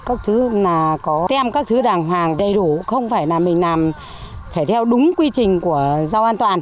các thứ là có thêm các thứ đàng hoàng đầy đủ không phải là mình làm phải theo đúng quy trình của rau an toàn